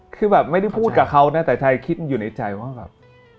คือแบบไม่ได้พูดกับเขานะแต่ไทยคิดอยู่ในใจว่าแบบ